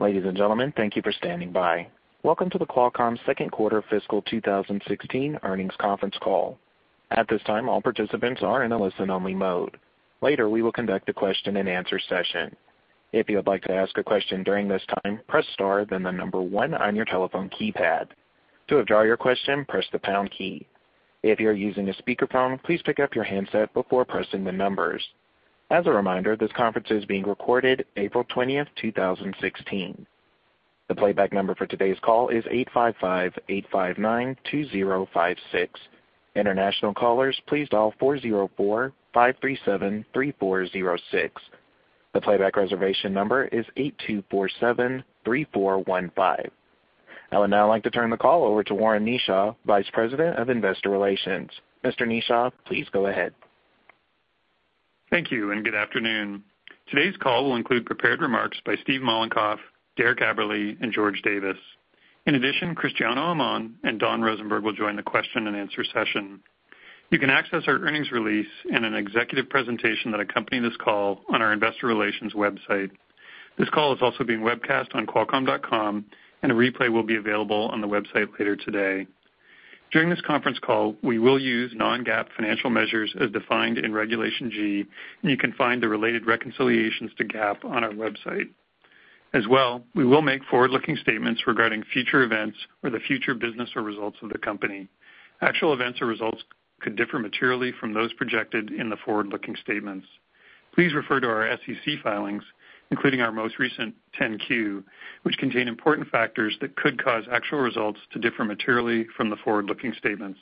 Ladies and gentlemen, thank you for standing by. Welcome to the Qualcomm second quarter fiscal 2016 earnings conference call. At this time, all participants are in a listen-only mode. Later, we will conduct a question-and-answer session. If you would like to ask a question during this time, press star then the number 1 on your telephone keypad. To withdraw your question, press the pound key. If you are using a speakerphone, please pick up your handset before pressing the numbers. As a reminder, this conference is being recorded April 20th, 2016. The playback number for today's call is 855-859-2056. International callers, please dial 404-537-3406. The playback reservation number is 8247-3415. I would now like to turn the call over to Warren Kneeshaw, Vice President of Investor Relations. Mr. Kneeshaw, please go ahead. Thank you. Good afternoon. Today's call will include prepared remarks by Steve Mollenkopf, Derek Aberle, and George Davis. In addition, Cristiano Amon and Don Rosenberg will join the question-and-answer session. You can access our earnings release in an executive presentation that accompany this call on our investor relations website. This call is also being webcast on qualcomm.com, and a replay will be available on the website later today. During this conference call, we will use non-GAAP financial measures as defined in Regulation G, and you can find the related reconciliations to GAAP on our website. As well, we will make forward-looking statements regarding future events or the future business or results of the company. Actual events or results could differ materially from those projected in the forward-looking statements. Please refer to our SEC filings, including our most recent 10-Q, which contain important factors that could cause actual results to differ materially from the forward-looking statements.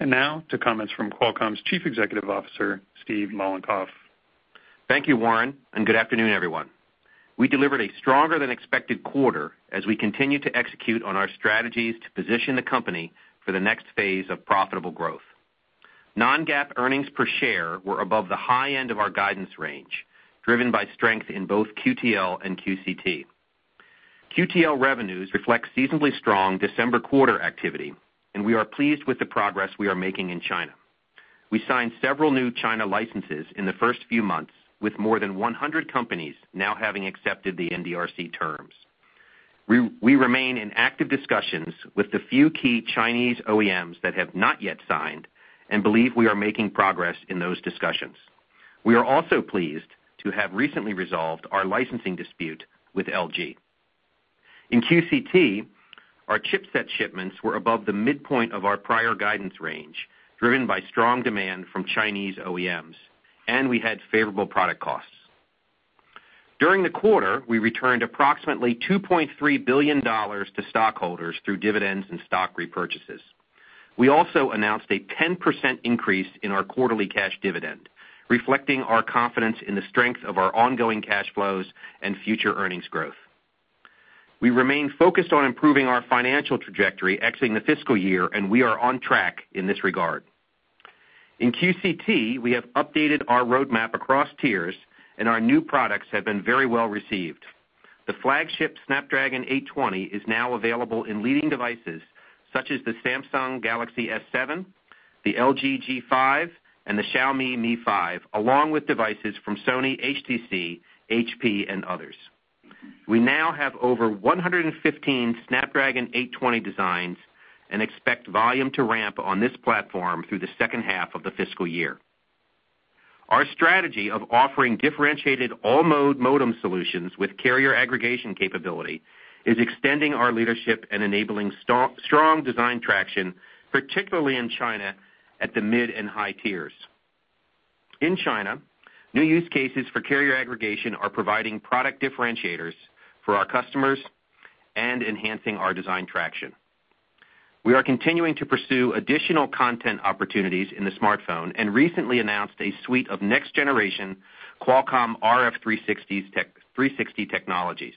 Now to comments from Qualcomm's Chief Executive Officer, Steve Mollenkopf. Thank you, Warren. Good afternoon, everyone. We delivered a stronger than expected quarter as we continue to execute on our strategies to position the company for the next phase of profitable growth. Non-GAAP earnings per share were above the high end of our guidance range, driven by strength in both QTL and QCT. QTL revenues reflect seasonally strong December quarter activity, and we are pleased with the progress we are making in China. We signed several new China licenses in the first few months, with more than 100 companies now having accepted the NDRC terms. We remain in active discussions with the few key Chinese OEMs that have not yet signed and believe we are making progress in those discussions. We are also pleased to have recently resolved our licensing dispute with LG. In QCT, our chipset shipments were above the midpoint of our prior guidance range, driven by strong demand from Chinese OEMs. We had favorable product costs. During the quarter, we returned approximately $2.3 billion to stockholders through dividends and stock repurchases. We also announced a 10% increase in our quarterly cash dividend, reflecting our confidence in the strength of our ongoing cash flows and future earnings growth. We remain focused on improving our financial trajectory exiting the fiscal year. We are on track in this regard. In QCT, we have updated our roadmap across tiers, and our new products have been very well received. The flagship Snapdragon 820 is now available in leading devices such as the Samsung Galaxy S7, the LG G5, and the Xiaomi Mi 5, along with devices from Sony, HTC, HP, and others. We now have over 115 Snapdragon 820 designs and expect volume to ramp on this platform through the second half of the fiscal year. Our strategy of offering differentiated all-mode modem solutions with carrier aggregation capability is extending our leadership and enabling strong design traction, particularly in China at the mid and high tiers. In China, new use cases for carrier aggregation are providing product differentiators for our customers and enhancing our design traction. We are continuing to pursue additional content opportunities in the smartphone and recently announced a suite of next-generation Qualcomm RF360 technologies.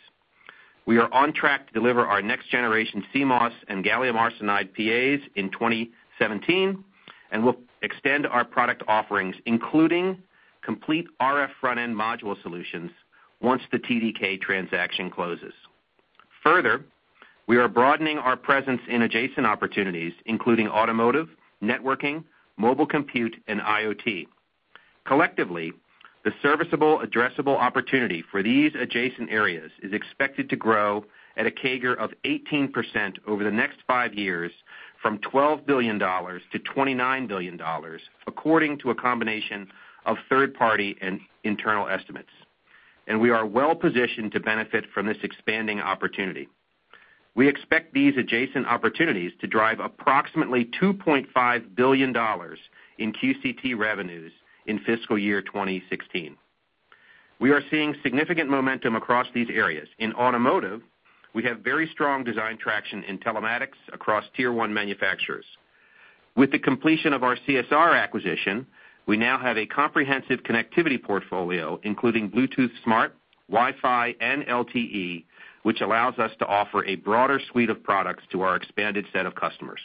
We are on track to deliver our next-generation CMOS and gallium arsenide PAs in 2017 and will extend our product offerings, including complete RF front-end module solutions, once the TDK transaction closes. Further, we are broadening our presence in adjacent opportunities, including automotive, networking, mobile compute, and IoT. Collectively, the serviceable addressable opportunity for these adjacent areas is expected to grow at a CAGR of 18% over the next five years, from $12 billion to $29 billion, according to a combination of third party and internal estimates. We are well positioned to benefit from this expanding opportunity. We expect these adjacent opportunities to drive approximately $2.5 billion in QCT revenues in fiscal year 2016. We are seeing significant momentum across these areas. In automotive, we have very strong design traction in telematics across tier 1 manufacturers. With the completion of our CSR acquisition, we now have a comprehensive connectivity portfolio, including Bluetooth Smart, Wi-Fi, and LTE, which allows us to offer a broader suite of products to our expanded set of customers.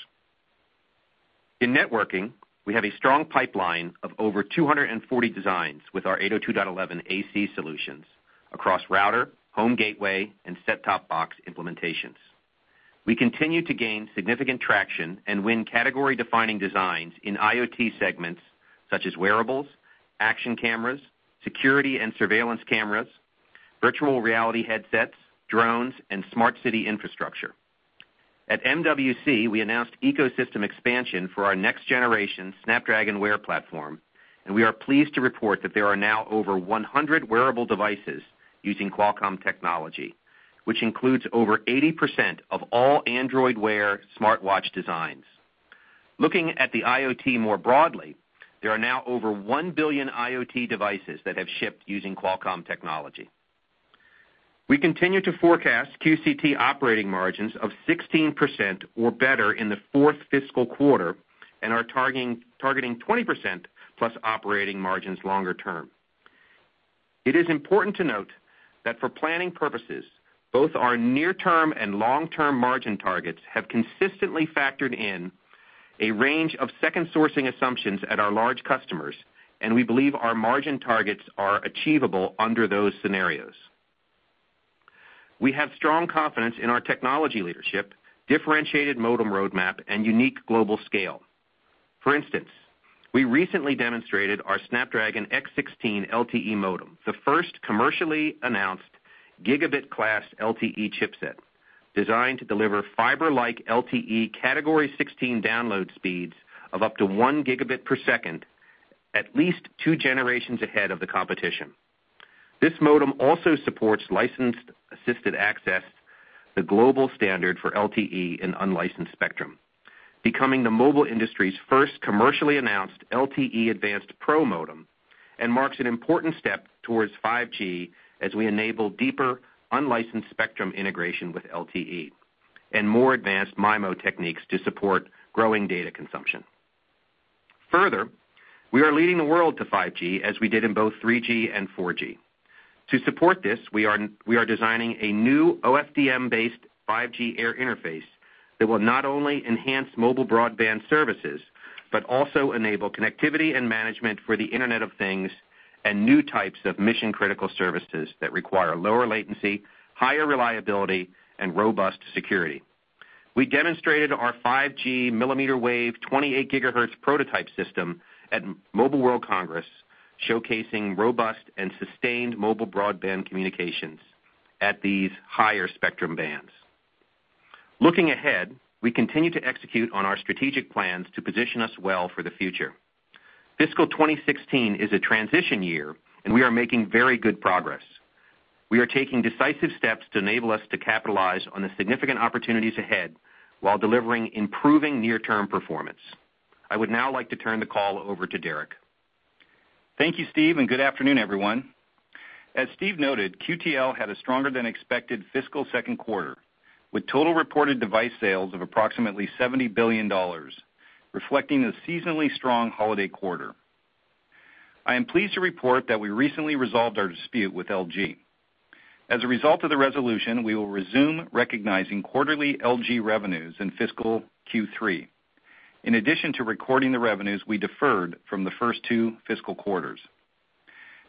In networking, we have a strong pipeline of over 240 designs with our 802.11ac solutions across router, home gateway, and set-top box implementations. We continue to gain significant traction and win category-defining designs in IoT segments such as wearables, action cameras, security and surveillance cameras, virtual reality headsets, drones, and smart city infrastructure. At MWC, we announced ecosystem expansion for our next generation Snapdragon Wear platform. We are pleased to report that there are now over 100 wearable devices using Qualcomm technology, which includes over 80% of all Android Wear smartwatch designs. Looking at the IoT more broadly, there are now over 1 billion IoT devices that have shipped using Qualcomm technology. We continue to forecast QCT operating margins of 16% or better in the fourth fiscal quarter and are targeting 20% plus operating margins longer term. It is important to note that for planning purposes, both our near-term and long-term margin targets have consistently factored in a range of second sourcing assumptions at our large customers, and we believe our margin targets are achievable under those scenarios. We have strong confidence in our technology leadership, differentiated modem roadmap, and unique global scale. For instance, we recently demonstrated our Snapdragon X16 LTE modem, the first commercially announced gigabit class LTE chipset designed to deliver fiber-like LTE Category 16 download speeds of up to one gigabit per second, at least two generations ahead of the competition. This modem also supports Licensed Assisted Access, the global standard for LTE in unlicensed spectrum, becoming the mobile industry's first commercially announced LTE Advanced Pro modem and marks an important step towards 5G as we enable deeper unlicensed spectrum integration with LTE and more advanced MIMO techniques to support growing data consumption. Further, we are leading the world to 5G as we did in both 3G and 4G. To support this, we are designing a new OFDM-based 5G air interface that will not only enhance mobile broadband services, but also enable connectivity and management for the Internet of Things and new types of mission-critical services that require lower latency, higher reliability, and robust security. We demonstrated our 5G millimeter wave 28 gigahertz prototype system at Mobile World Congress, showcasing robust and sustained mobile broadband communications at these higher spectrum bands. Looking ahead, we continue to execute on our strategic plans to position us well for the future. Fiscal 2016 is a transition year, and we are making very good progress. We are taking decisive steps to enable us to capitalize on the significant opportunities ahead while delivering improving near-term performance. I would now like to turn the call over to Derek. Thank you, Steve, and good afternoon, everyone. As Steve noted, QTL had a stronger than expected fiscal second quarter, with total reported device sales of approximately $70 billion, reflecting a seasonally strong holiday quarter. I am pleased to report that we recently resolved our dispute with LG. As a result of the resolution, we will resume recognizing quarterly LG revenues in fiscal Q3. In addition to recording the revenues we deferred from the first two fiscal quarters.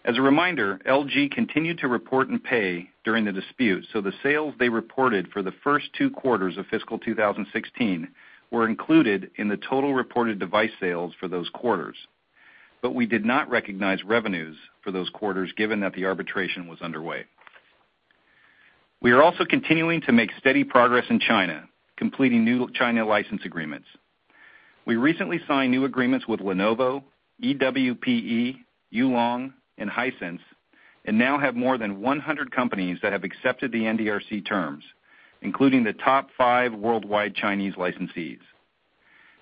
As a reminder, LG continued to report and pay during the dispute, so the sales they reported for the first two quarters of fiscal 2016 were included in the total reported device sales for those quarters. We did not recognize revenues for those quarters given that the arbitration was underway. We are also continuing to make steady progress in China, completing new China license agreements. We recently signed new agreements with Lenovo, EWPE, Yulong, and Hisense, and now have more than 100 companies that have accepted the NDRC terms, including the top five worldwide Chinese licensees.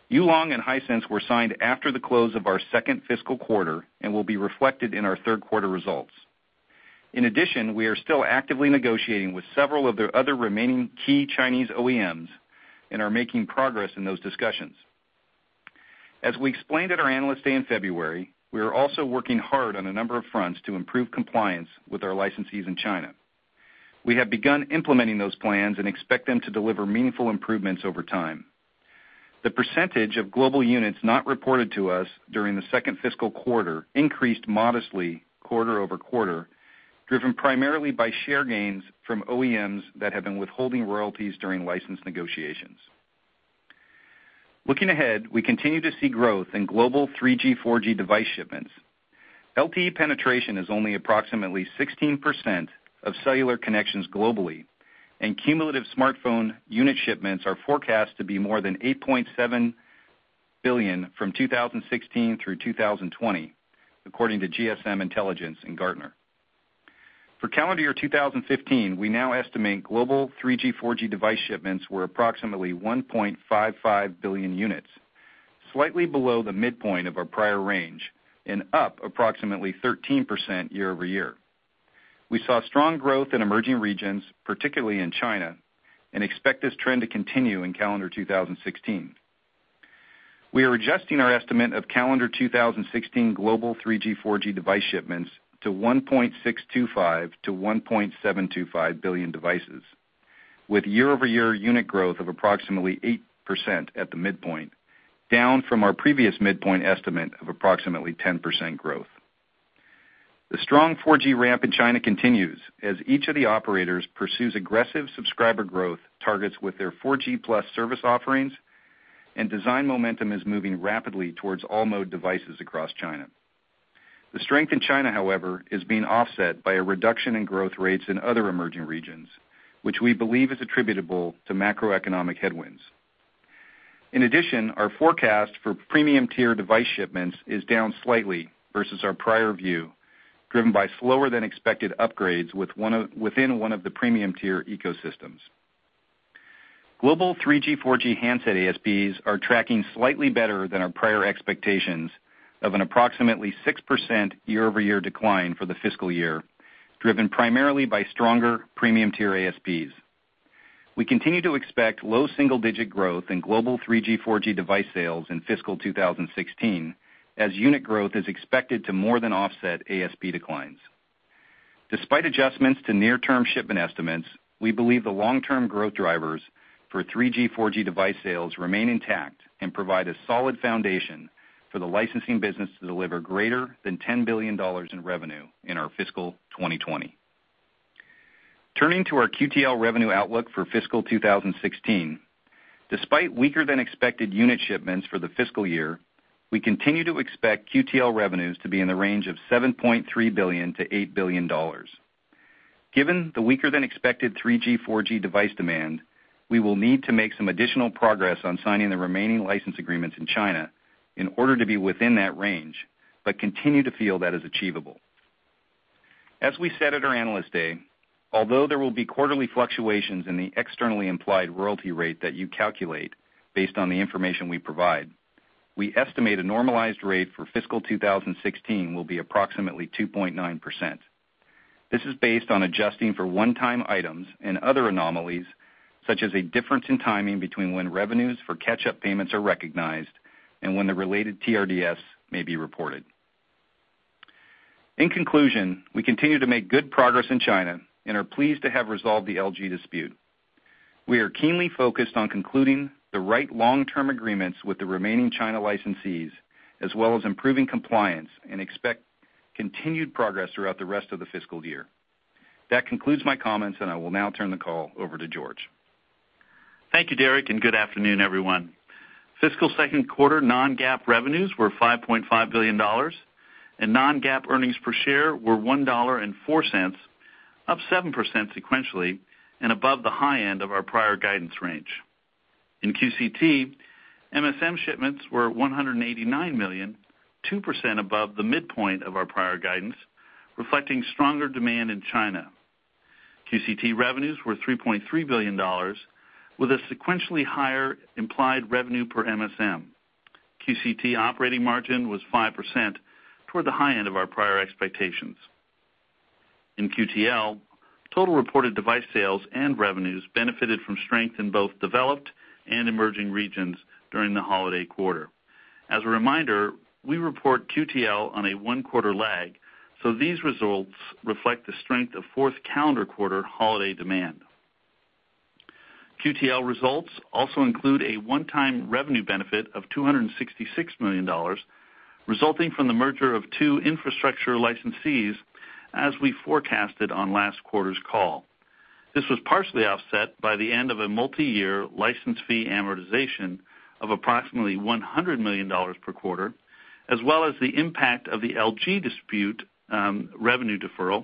Yulong and Hisense were signed after the close of our second fiscal quarter and will be reflected in our third-quarter results. In addition, we are still actively negotiating with several of the other remaining key Chinese OEMs and are making progress in those discussions. As we explained at our Analyst Day in February, we are also working hard on a number of fronts to improve compliance with our licensees in China. We have begun implementing those plans and expect them to deliver meaningful improvements over time. The percentage of global units not reported to us during the second fiscal quarter increased modestly quarter-over-quarter, driven primarily by share gains from OEMs that have been withholding royalties during license negotiations. Looking ahead, we continue to see growth in global 3G, 4G device shipments. LTE penetration is only approximately 16% of cellular connections globally, and cumulative smartphone unit shipments are forecast to be more than 8.7 billion from 2016 through 2020, according to GSMA Intelligence and Gartner. For calendar year 2015, we now estimate global 3G, 4G device shipments were approximately 1.55 billion units, slightly below the midpoint of our prior range and up approximately 13% year-over-year. We saw strong growth in emerging regions, particularly in China, and expect this trend to continue in calendar 2016. We are adjusting our estimate of calendar 2016 global 3G, 4G device shipments to 1.625 billion-1.725 billion devices with year-over-year unit growth of approximately 8% at the midpoint, down from our previous midpoint estimate of approximately 10% growth. The strong 4G ramp in China continues as each of the operators pursues aggressive subscriber growth targets with their 4G plus service offerings, and design momentum is moving rapidly towards all-mode devices across China. The strength in China, however, is being offset by a reduction in growth rates in other emerging regions, which we believe is attributable to macroeconomic headwinds. In addition, our forecast for premium tier device shipments is down slightly versus our prior view, driven by slower than expected upgrades within one of the premium tier ecosystems. Global 3G, 4G handset ASPs are tracking slightly better than our prior expectations of an approximately 6% year-over-year decline for the fiscal year, driven primarily by stronger premium tier ASPs. We continue to expect low single-digit growth in global 3G, 4G device sales in fiscal 2016 as unit growth is expected to more than offset ASP declines. Despite adjustments to near-term shipment estimates, we believe the long-term growth drivers for 3G, 4G device sales remain intact and provide a solid foundation for the licensing business to deliver greater than $10 billion in revenue in our fiscal 2020. Turning to our QTL revenue outlook for fiscal 2016. Despite weaker than expected unit shipments for the fiscal year, we continue to expect QTL revenues to be in the range of $7.3 billion-$8 billion. Given the weaker than expected 3G, 4G device demand, we will need to make some additional progress on signing the remaining license agreements in China in order to be within that range but continue to feel that is achievable. As we said at our Analyst Day, although there will be quarterly fluctuations in the externally implied royalty rate that you calculate based on the information we provide, we estimate a normalized rate for fiscal 2016 will be approximately 2.9%. This is based on adjusting for one-time items and other anomalies, such as a difference in timing between when revenues for catch-up payments are recognized and when the related TRDS may be reported. In conclusion, we continue to make good progress in China and are pleased to have resolved the LG dispute. We are keenly focused on concluding the right long-term agreements with the remaining China licensees, as well as improving compliance and expect continued progress throughout the rest of the fiscal year. That concludes my comments, and I will now turn the call over to George. Thank you, Derek. Good afternoon, everyone. Fiscal second quarter non-GAAP revenues were $5.5 billion, and non-GAAP earnings per share were $1.04, up 7% sequentially and above the high end of our prior guidance range. In QCT, MSM shipments were 189 million, 2% above the midpoint of our prior guidance, reflecting stronger demand in China. QCT revenues were $3.3 billion, with a sequentially higher implied revenue per MSM. QCT operating margin was 5%, toward the high end of our prior expectations. In QTL, total reported device sales and revenues benefited from strength in both developed and emerging regions during the holiday quarter. As a reminder, we report QTL on a one-quarter lag, so these results reflect the strength of fourth calendar quarter holiday demand. QTL results also include a one-time revenue benefit of $266 million, resulting from the merger of two infrastructure licensees, as we forecasted on last quarter's call. This was partially offset by the end of a multi-year license fee amortization of approximately $100 million per quarter, as well as the impact of the LG dispute revenue deferral,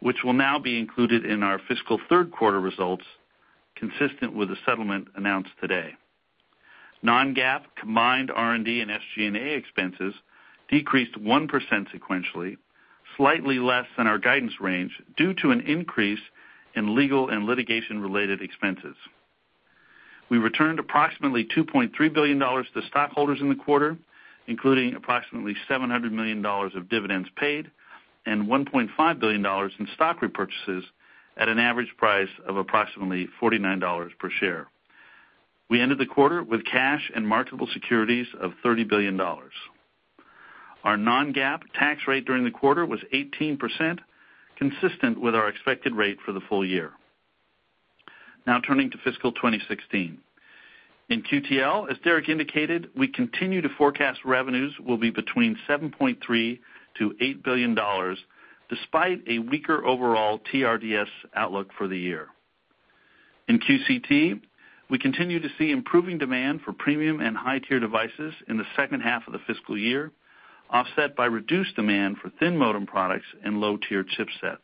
which will now be included in our fiscal third-quarter results, consistent with the settlement announced today. Non-GAAP combined R&D and SG&A expenses decreased 1% sequentially, slightly less than our guidance range, due to an increase in legal and litigation-related expenses. We returned approximately $2.3 billion to stockholders in the quarter, including approximately $700 million of dividends paid and $1.5 billion in stock repurchases at an average price of approximately $49 per share. We ended the quarter with cash and marketable securities of $30 billion. Our non-GAAP tax rate during the quarter was 18%, consistent with our expected rate for the full year. Turning to fiscal 2016. In QTL, as Derek indicated, we continue to forecast revenues will be between $7.3 billion to $8 billion, despite a weaker overall TRDS outlook for the year. In QCT, we continue to see improving demand for premium and high-tier devices in the second half of the fiscal year, offset by reduced demand for thin modem products and low-tier chipsets.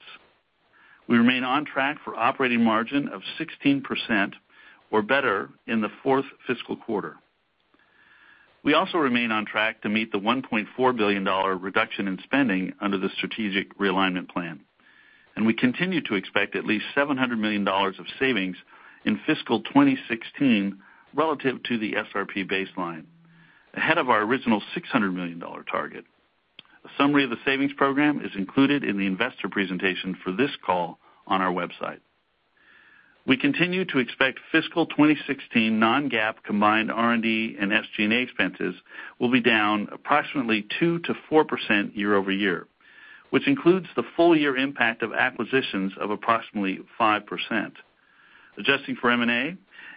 We remain on track for operating margin of 16% or better in the fourth fiscal quarter. We also remain on track to meet the $1.4 billion reduction in spending under the strategic realignment plan. We continue to expect at least $700 million of savings in fiscal 2016 relative to the SRP baseline, ahead of our original $600 million target. A summary of the savings program is included in the investor presentation for this call on our website. We continue to expect fiscal 2016 non-GAAP combined R&D and SG&A expenses will be down approximately 2%-4% year-over-year, which includes the full year impact of acquisitions of approximately 5%. Adjusting for M&A,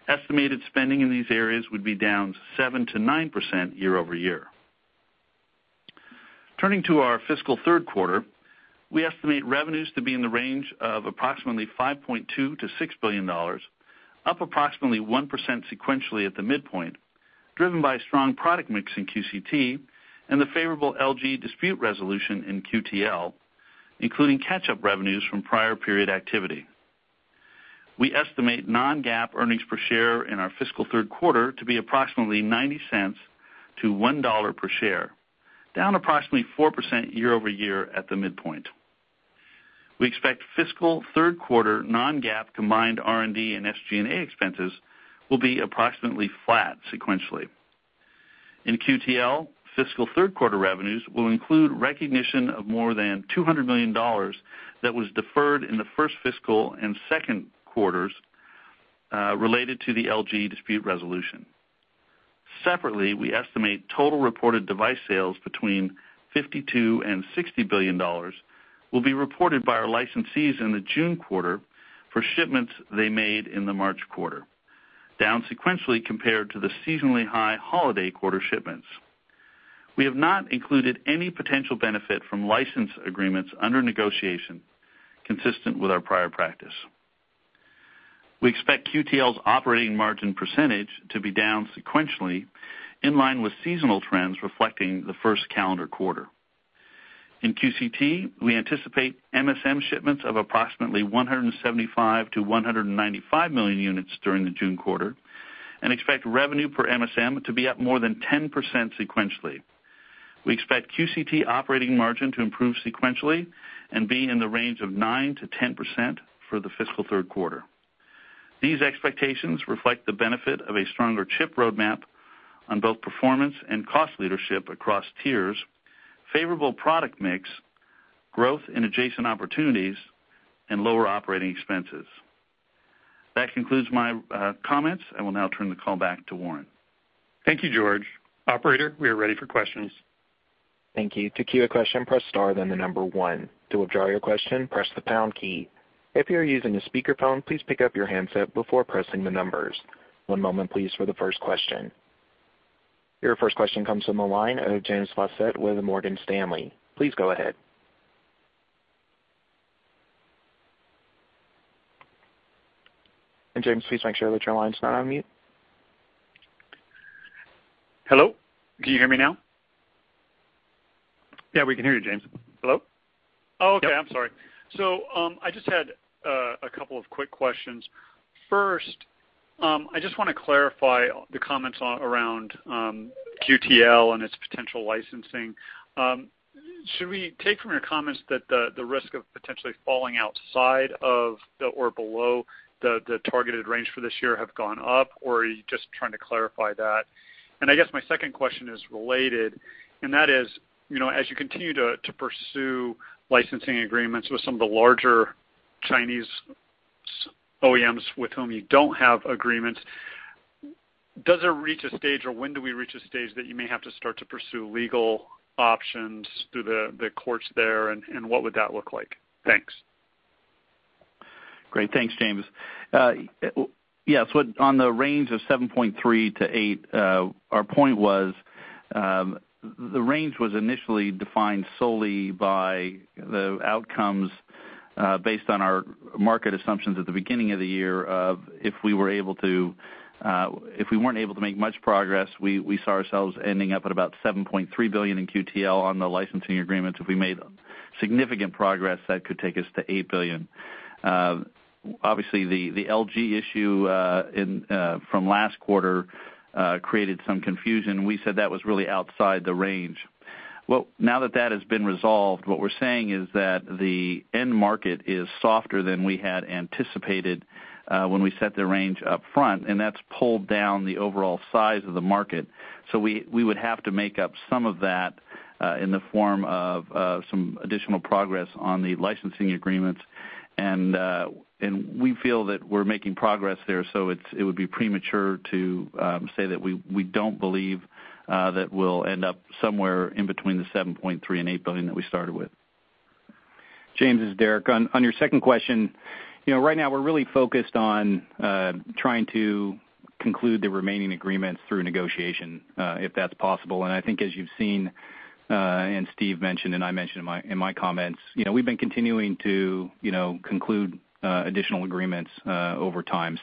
estimated spending in these areas would be down 7%-9% year-over-year. Turning to our fiscal third quarter, we estimate revenues to be in the range of approximately $5.2 billion-$6 billion, up approximately 1% sequentially at the midpoint, driven by strong product mix in QCT and the favorable LG dispute resolution in QTL, including catch-up revenues from prior period activity. We estimate non-GAAP earnings per share in our fiscal third quarter to be approximately $0.90-$1 per share, down approximately 4% year-over-year at the midpoint. We expect fiscal third quarter non-GAAP combined R&D and SG&A expenses will be approximately flat sequentially. In QTL, fiscal third quarter revenues will include recognition of more than $200 million that was deferred in the first fiscal and second quarters related to the LG dispute resolution. Separately, we estimate total reported device sales between $52 billion and $60 billion will be reported by our licensees in the June quarter for shipments they made in the March quarter, down sequentially compared to the seasonally high holiday quarter shipments. We have not included any potential benefit from license agreements under negotiation consistent with our prior practice. We expect QTL's operating margin percentage to be down sequentially, in line with seasonal trends reflecting the first calendar quarter. In QCT, we anticipate MSM shipments of approximately 175 million-195 million units during the June quarter and expect revenue per MSM to be up more than 10% sequentially. We expect QCT operating margin to improve sequentially and be in the range of 9%-10% for the fiscal third quarter. These expectations reflect the benefit of a stronger chip roadmap on both performance and cost leadership across tiers, favorable product mix, growth in adjacent opportunities, and lower operating expenses. That concludes my comments. I will now turn the call back to Warren. Thank you, George. Operator, we are ready for questions. Thank you. To queue a question, press star then the number one. To withdraw your question, press the pound key. If you are using a speakerphone, please pick up your handset before pressing the numbers. One moment please for the first question. Your first question comes from the line of James Faucette with Morgan Stanley. Please go ahead. James, please make sure that your line's not on mute. Hello, can you hear me now? Yeah, we can hear you, James. Hello? Okay, I'm sorry. I just had a couple of quick questions. First, I just want to clarify the comments around QTL and its potential licensing. Should we take from your comments that the risk of potentially falling outside of or below the targeted range for this year have gone up, or are you just trying to clarify that? I guess my second question is related, and that is, as you continue to pursue licensing agreements with some of the larger Chinese OEMs with whom you don't have agreements, does it reach a stage or when do we reach a stage that you may have to start to pursue legal options through the courts there, and what would that look like? Thanks. Great. Thanks, James. On the range of $7.3 billion to $8 billion, our point was, the range was initially defined solely by the outcomes based on our market assumptions at the beginning of the year of, if we weren't able to make much progress, we saw ourselves ending up at about $7.3 billion in QTL on the licensing agreements. If we made significant progress, that could take us to $8 billion. Obviously, the LG issue from last quarter created some confusion. We said that was really outside the range. Now that that has been resolved, what we're saying is that the end market is softer than we had anticipated when we set the range up front, and that's pulled down the overall size of the market. We would have to make up some of that in the form of some additional progress on the licensing agreements. We feel that we're making progress there, it would be premature to say that we don't believe that we'll end up somewhere in between the $7.3 billion and $8 billion that we started with. James, it's Derek. On your second question, right now we're really focused on trying to conclude the remaining agreements through negotiation, if that's possible. I think as you've seen, Steve mentioned and I mentioned in my comments, we've been continuing to conclude additional agreements over time.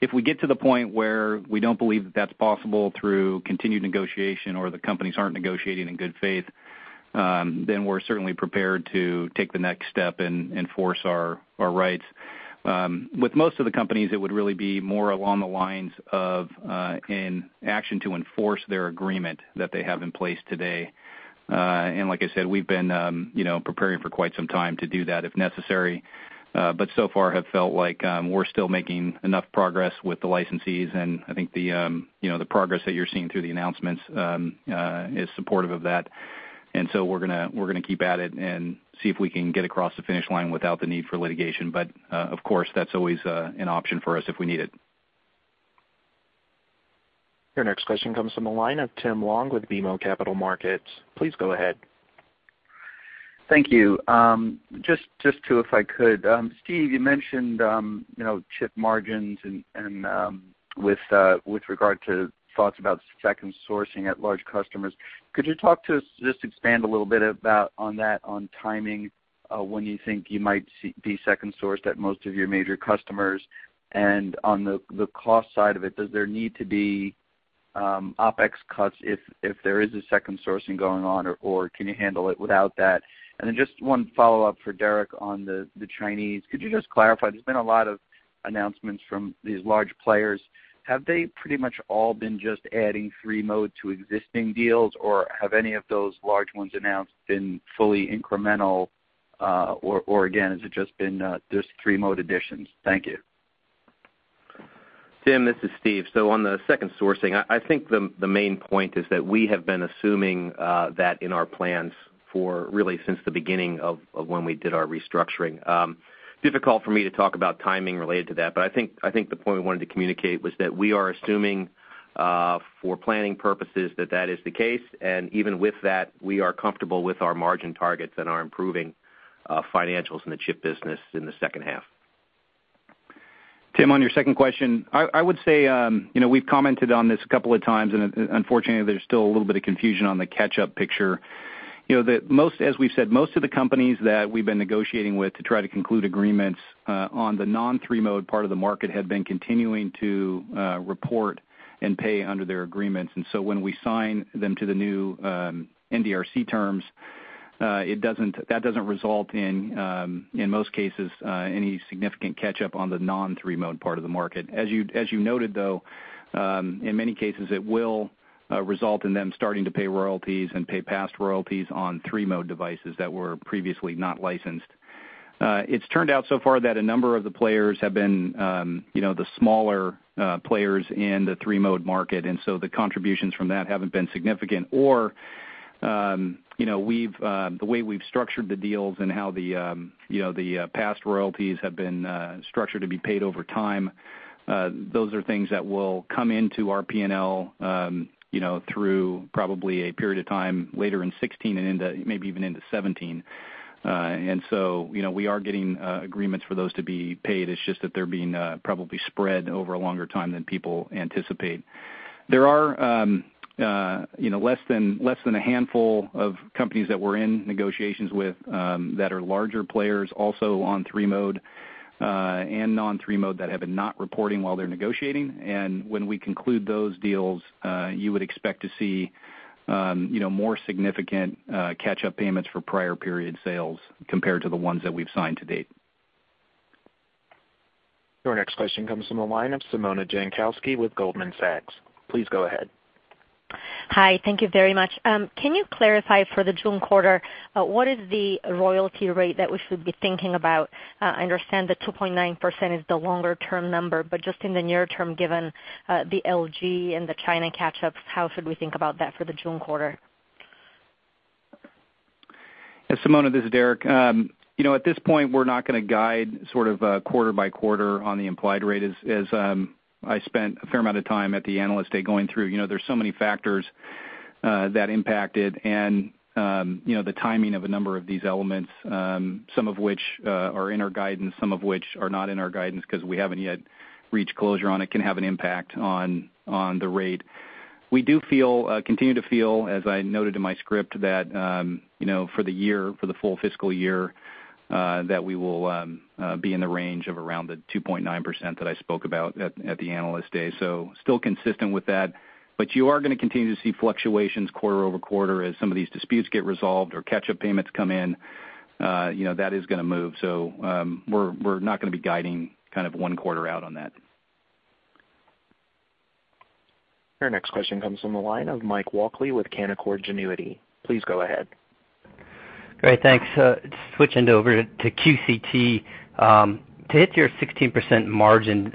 If we get to the point where we don't believe that that's possible through continued negotiation or the companies aren't negotiating in good faith, we're certainly prepared to take the next step and enforce our rights. With most of the companies, it would really be more along the lines of an action to enforce their agreement that they have in place today. Like I said, we've been preparing for quite some time to do that if necessary. So far have felt like we're still making enough progress with the licensees, I think the progress that you're seeing through the announcements is supportive of that. We're going to keep at it and see if we can get across the finish line without the need for litigation. Of course, that's always an option for us if we need it. Your next question comes from the line of Tim Long with BMO Capital Markets. Please go ahead. Thank you. Just two if I could. Steve, you mentioned chip margins and with regard to thoughts about second sourcing at large customers. Could you talk to us, just expand a little bit about on that, on timing, when you think you might be second sourced at most of your major customers? On the cost side of it, does there need to be OpEx cuts if there is a second sourcing going on or can you handle it without that? Then just one follow-up for Derek on the Chinese. Could you just clarify, there's been a lot of announcements from these large players. Have they pretty much all been just adding three-mode to existing deals, or have any of those large ones announced been fully incremental, or again, has it just been just three-mode additions? Thank you. Tim, this is Steve. On the second sourcing, I think the main point is that we have been assuming that in our plans for really since the beginning of when we did our restructuring. Difficult for me to talk about timing related to that, but I think the point we wanted to communicate was that we are assuming, for planning purposes, that that is the case. Even with that, we are comfortable with our margin targets and our improving financials in the chip business in the second half. Tim, on your second question, I would say, we've commented on this a couple of times, unfortunately, there's still a little bit of confusion on the catch-up picture. As we've said, most of the companies that we've been negotiating with to try to conclude agreements on the non-three-mode part of the market have been continuing to report and pay under their agreements. When we sign them to the new NDRC terms, that doesn't result in most cases, any significant catch-up on the non-three-mode part of the market. As you noted, though, in many cases, it will result in them starting to pay royalties and pay past royalties on three-mode devices that were previously not licensed. It's turned out so far that a number of the players have been the smaller players in the three-mode market, the contributions from that haven't been significant. The way we've structured the deals and how the past royalties have been structured to be paid over time, those are things that will come into our P&L through probably a period of time later in 2016 and maybe even into 2017. We are getting agreements for those to be paid. It's just that they're being probably spread over a longer time than people anticipate. There are less than a handful of companies that we're in negotiations with that are larger players also on 3G, and non-3G that have been not reporting while they're negotiating. When we conclude those deals, you would expect to see more significant catch-up payments for prior period sales compared to the ones that we've signed to date. Your next question comes from the line of Simona Jankowski with Goldman Sachs. Please go ahead. Hi. Thank you very much. Can you clarify for the June quarter, what is the royalty rate that we should be thinking about? I understand that 2.9% is the longer-term number, but just in the near term, given the LG and the China catch-ups, how should we think about that for the June quarter? Yeah, Simona, this is Derek. At this point, we're not going to guide sort of quarter by quarter on the implied rate as I spent a fair amount of time at the Analyst Day going through. There's so many factors that impact it and the timing of a number of these elements, some of which are in our guidance, some of which are not in our guidance because we haven't yet reached closure on it, can have an impact on the rate. We do continue to feel, as I noted in my script, that for the year, for the full fiscal year, that we will be in the range of around the 2.9% that I spoke about at the Analyst Day. Still consistent with that, but you are going to continue to see fluctuations quarter-over-quarter as some of these disputes get resolved or catch-up payments come in. That is gonna move. We're not gonna be guiding kind of one quarter out on that. Your next question comes from the line of Michael Walkley with Canaccord Genuity. Please go ahead. Great. Thanks. Just switching over to QCT, to hit your 16% margin,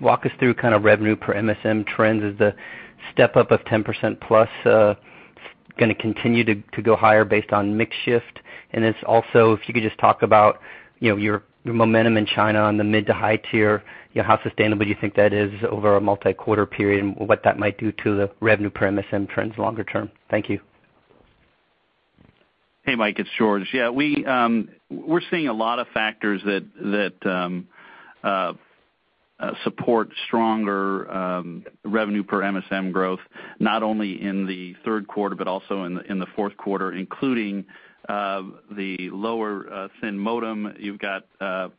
walk us through kind of revenue per MSM trends. Is the step up of 10%+ gonna continue to go higher based on mix shift? Also, if you could just talk about your momentum in China on the mid to high tier, how sustainable do you think that is over a multi-quarter period, and what that might do to the revenue per MSM trends longer term? Thank you. Hey, Mike, it's George. We're seeing a lot of factors that support stronger revenue per MSM growth, not only in the third quarter, but also in the fourth quarter, including the lower thin modem. You've got a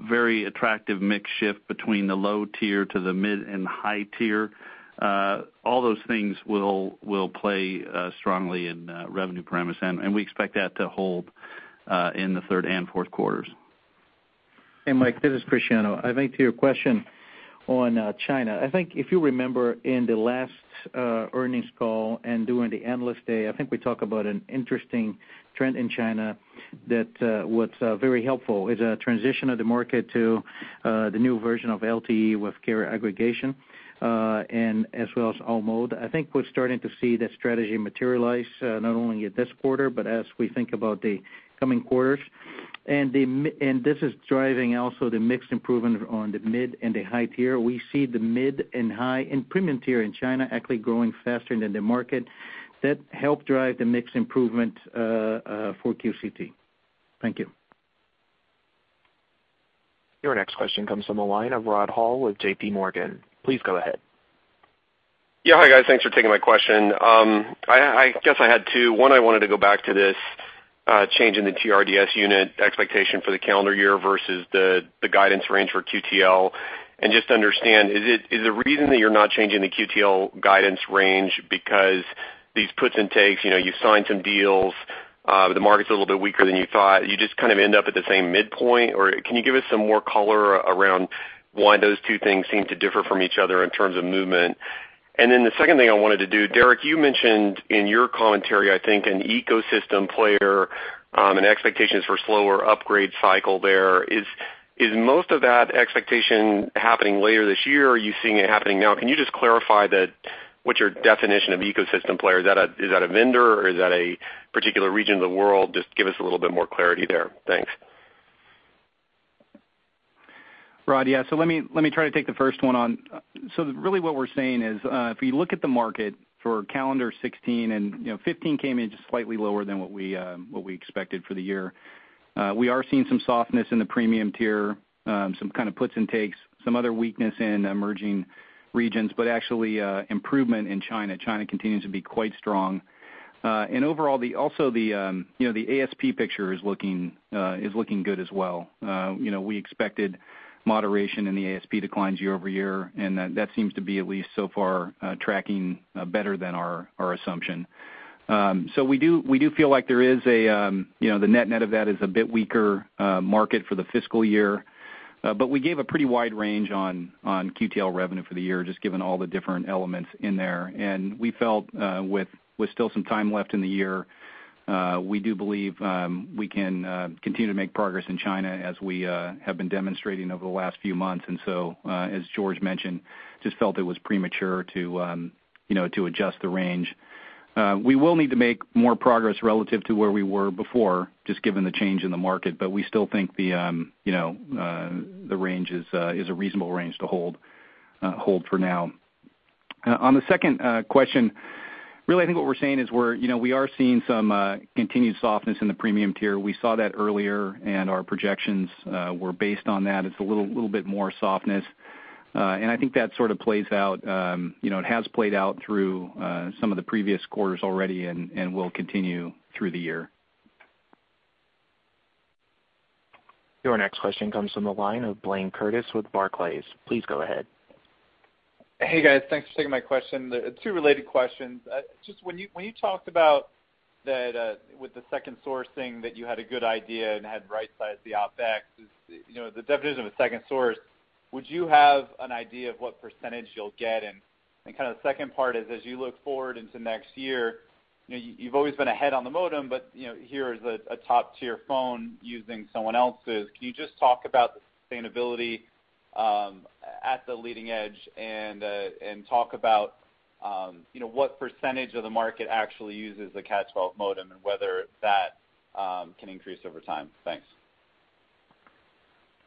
very attractive mix shift between the low tier to the mid and high tier. All those things will play strongly in revenue per MSM, and we expect that to hold in the third and fourth quarters. Hey, Mike, this is Cristiano. I think to your question on China, I think if you remember in the last earnings call and during the Analyst Day, I think we talked about an interesting trend in China that was very helpful, is a transition of the market to the new version of LTE with carrier aggregation, as well as all mode. I think we're starting to see that strategy materialize, not only at this quarter, but as we think about the coming quarters. This is driving also the mix improvement on the mid and the high tier. We see the mid and high and premium tier in China actually growing faster than the market. That help drive the mix improvement for QCT. Thank you. Your next question comes from the line of Rod Hall with J.P. Morgan. Please go ahead. Yeah. Hi, guys. Thanks for taking my question. I guess I had two. One, I wanted to go back to this change in the TRDS unit expectation for the calendar year versus the guidance range for QTL and just understand, is the reason that you're not changing the QTL guidance range because these puts and takes, you signed some deals, the market's a little bit weaker than you thought, you just end up at the same midpoint? Or can you give us some more color around why those two things seem to differ from each other in terms of movement? Then the second thing I wanted to do, Derek, you mentioned in your commentary, I think, an ecosystem player and expectations for slower upgrade cycle there. Is most of that expectation happening later this year? Are you seeing it happening now? Can you just clarify that, what's your definition of ecosystem player? Is that a vendor or is that a particular region of the world? Just give us a little bit more clarity there. Thanks. Rod. Let me try to take the first one on. What we're saying is, if you look at the market for calendar 2016 and 2015 came in just slightly lower than what we expected for the year. We are seeing some softness in the premium tier, some kind of puts and takes, some other weakness in emerging regions, improvement in China. China continues to be quite strong. The ASP picture is looking good as well. We expected moderation in the ASP declines year-over-year, that seems to be at least so far, tracking better than our assumption. We do feel like the net of that is a bit weaker market for the fiscal year. We gave a pretty wide range on QTL revenue for the year, just given all the different elements in there. We felt, with still some time left in the year, we do believe we can continue to make progress in China as we have been demonstrating over the last few months. As George mentioned, just felt it was premature to adjust the range. We will need to make more progress relative to where we were before, just given the change in the market. We still think the range is a reasonable range to hold for now. On the second question, what we're saying is we are seeing some continued softness in the premium tier. We saw that earlier and our projections were based on that. It's a little bit more softness. It has played out through some of the previous quarters already and will continue through the year. Your next question comes from the line of Blayne Curtis with Barclays. Please go ahead. Hey, guys. Thanks for taking my question. Two related questions. When you talked about that with the second sourcing, that you had a good idea and had right-sized the OpEx, the definition of a second source, would you have an idea of what percentage you'll get? The second part is, as you look forward into next year, you've always been ahead on the modem, here is a top-tier phone using someone else's. Can you just talk about the sustainability at the leading edge and talk about what percentage of the market actually uses the Cat 12 modem and whether that can increase over time? Thanks.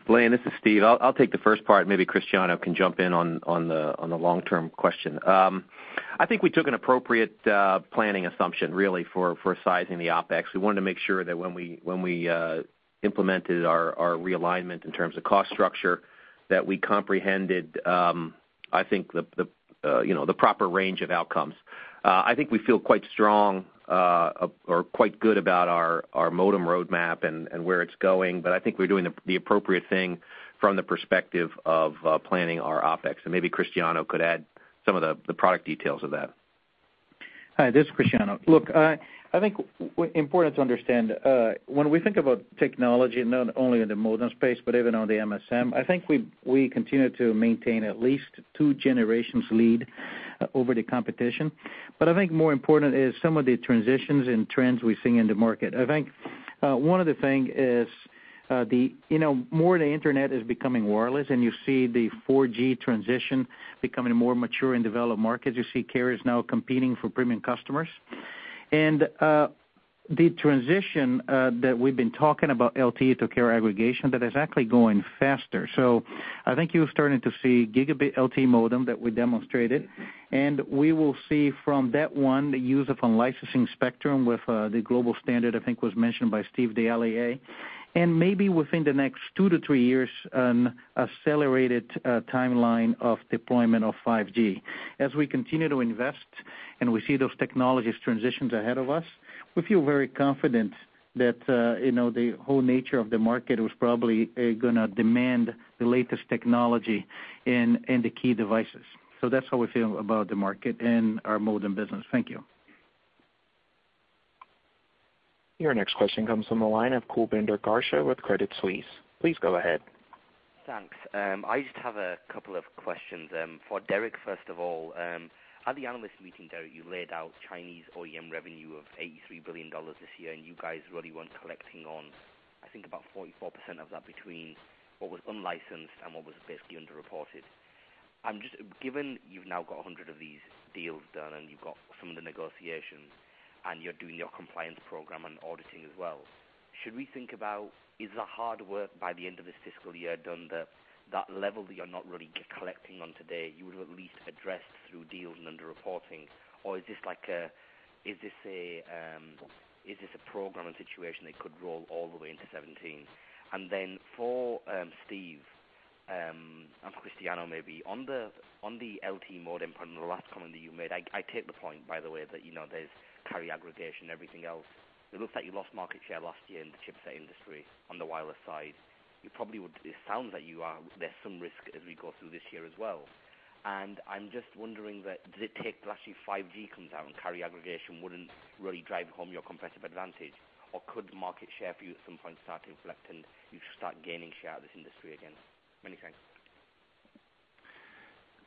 Blayne, this is Steve. I'll take the first part. Maybe Cristiano can jump in on the long-term question. I think we took an appropriate planning assumption really for sizing the OpEx. We wanted to make sure that when we implemented our realignment in terms of cost structure, that we comprehended I think the proper range of outcomes. I think we feel quite strong or quite good about our modem roadmap and where it's going. I think we're doing the appropriate thing from the perspective of planning our OpEx. Maybe Cristiano could add some of the product details of that. Hi, this is Cristiano. Look, I think important to understand, when we think about technology, not only in the modem space, but even on the MSM, I think we continue to maintain at least two generations lead over the competition. I think more important is some of the transitions and trends we're seeing in the market. I think one of the things is the more the internet is becoming wireless and you see the 4G transition becoming more mature in developed markets, you see carriers now competing for premium customers. The transition that we've been talking about LTE to carrier aggregation, that is actually going faster. I think you're starting to see Gigabit LTE modem that we demonstrated, and we will see from that one the use of unlicensed spectrum with the global standard, I think was mentioned by Steve, the LAA. Maybe within the next two to three years, an accelerated timeline of deployment of 5G. As we continue to invest and we see those technologies transitions ahead of us, we feel very confident that the whole nature of the market was probably going to demand the latest technology in the key devices. That's how we feel about the market and our modem business. Thank you. Your next question comes from the line of Kulbinder Garcha with Credit Suisse. Please go ahead. Thanks. I just have a couple of questions. For Derek Aberle, first of all, at the Analyst Day, Derek Aberle, you laid out Chinese OEM revenue of $83 billion this year, and you guys really weren't collecting on, I think about 44% of that between what was unlicensed and what was basically underreported. Given you've now got 100 of these deals done, and you've got some of the negotiations, and you're doing your compliance program and auditing as well, should we think about, is the hard work by the end of this fiscal year done, that level that you're not really collecting on today, you would at least address through deals and under reporting? Or is this a program and situation that could roll all the way into 2017? For Steve Mollenkopf, and Cristiano Amon maybe, on the LTE modem front and the last comment that you made, I take the point, by the way, that there's carrier aggregation, everything else. It looks like you lost market share last year in the chipset industry on the wireless side. It sounds like there's some risk as we go through this year as well, I'm just wondering that, does it take till actually 5G comes out and carrier aggregation wouldn't really drive home your competitive advantage, or could market share for you at some point start to inflect and you start gaining share of this industry again? Many thanks.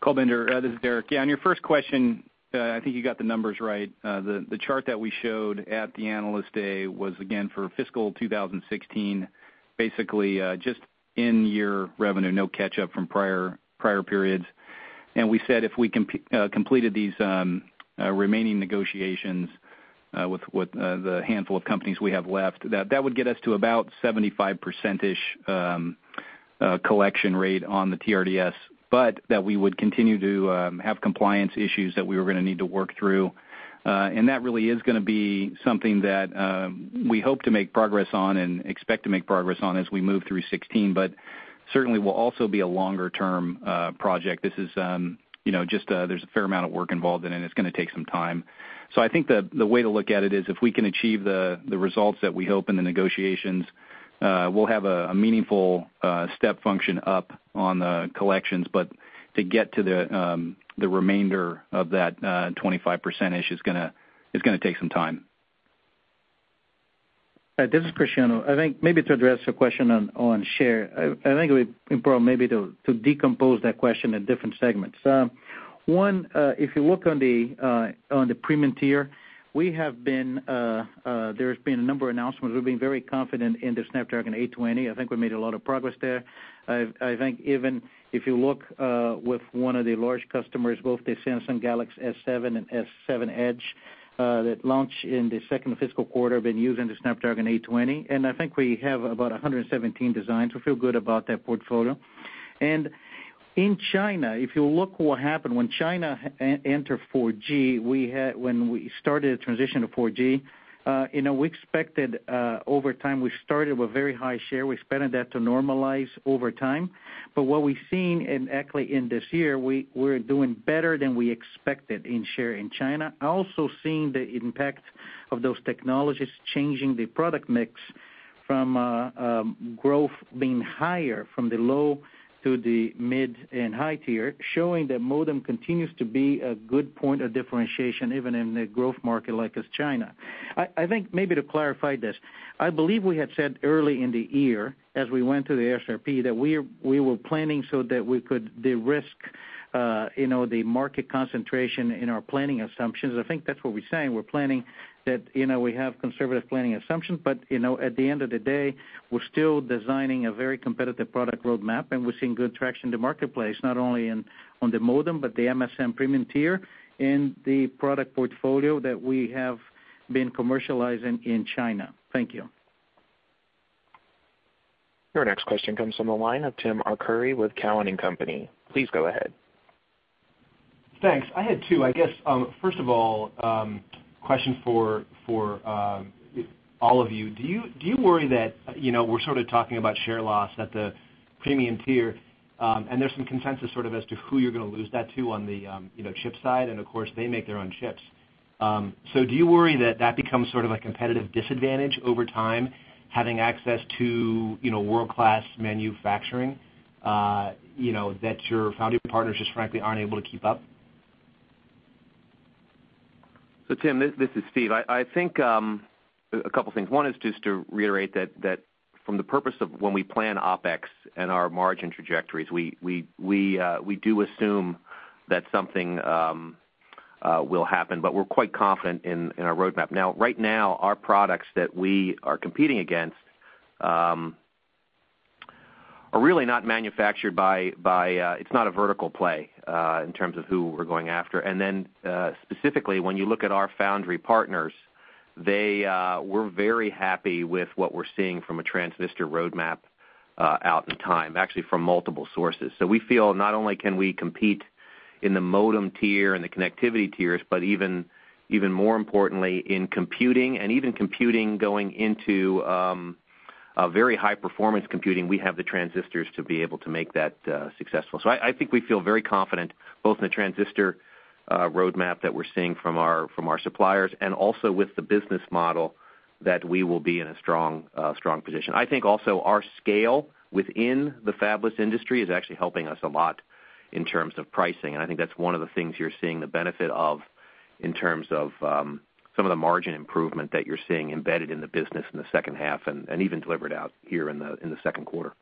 Kulbinder Garcha, this is Derek Aberle. On your first question, I think you got the numbers right. The chart that we showed at the Analyst Day was, again, for fiscal 2016, basically, just in-year revenue, no catch-up from prior periods. We said if we completed these remaining negotiations, with the handful of companies we have left, that would get us to about 75% collection rate on the TRDS, that we would continue to have compliance issues that we were going to need to work through. That really is going to be something that we hope to make progress on and expect to make progress on as we move through 2016, certainly will also be a longer-term project. There's a fair amount of work involved in it's going to take some time. I think the way to look at it is if we can achieve the results that we hope in the negotiations, we'll have a meaningful step function up on the collections. To get to the remainder of that 25%-ish is going to take some time. This is Cristiano. I think maybe to address your question on share, I think it would be important maybe to decompose that question in different segments. One, if you look on the premium tier, there's been a number of announcements. We've been very confident in the Snapdragon 820. I think we made a lot of progress there. I think even if you look with one of the large customers, both the Samsung Galaxy S7 and S7 Edge, that launch in the second fiscal quarter, have been using the Snapdragon 820, and I think we have about 117 designs. We feel good about that portfolio. In China, if you look what happened when China enter 4G, when we started the transition to 4G, we expected over time, we started with very high share. We expected that to normalize over time. What we've seen, actually in this year, we're doing better than we expected in share in China. Also seeing the impact of those technologies changing the product mix from growth being higher from the low to the mid and high tier, showing that modem continues to be a good point of differentiation, even in a growth market like as China. I think maybe to clarify this, I believe we had said early in the year, as we went to the SRP, that we were planning so that we could de-risk the market concentration in our planning assumptions. I think that's what we're saying. We're planning that we have conservative planning assumptions, at the end of the day, we're still designing a very competitive product roadmap, we're seeing good traction in the marketplace, not only on the modem, but the MSM premium tier and the product portfolio that we have been commercializing in China. Thank you. Your next question comes from the line of Timothy Arcuri with Cowen and Company. Please go ahead. Thanks. I had two, I guess. First of all, question for all of you. Do you worry that we're sort of talking about share loss at the premium tier, and there's some consensus sort of as to who you're going to lose that to on the chip side, and of course, they make their own chips. Do you worry that that becomes sort of a competitive disadvantage over time, having access to world-class manufacturing, that your foundry partners just frankly aren't able to keep up? Tim, this is Steve. I think a couple things. One is just to reiterate that from the purpose of when we plan OpEx and our margin trajectories, we do assume that something will happen, but we're quite confident in our roadmap. Right now, our products that we are competing against are really not manufactured by It's not a vertical play in terms of who we're going after. Specifically, when you look at our foundry partners, we're very happy with what we're seeing from a transistor roadmap out in time, actually from multiple sources. We feel not only can we compete in the modem tier and the connectivity tiers, but even more importantly in computing and even computing going into a very high-performance computing, we have the transistors to be able to make that successful. I think we feel very confident both in the transistor roadmap that we're seeing from our suppliers and also with the business model that we will be in a strong position. I think also our scale within the fabless industry is actually helping us a lot in terms of pricing, and I think that's one of the things you're seeing the benefit of in terms of some of the margin improvement that you're seeing embedded in the business in the second half and even delivered out here in the second quarter.